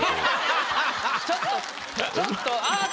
ちょっと。